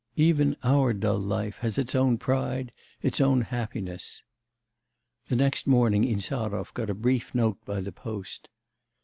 Even our dull life has its own pride, its own happiness!"' The next morning Insarov got a brief note by the post.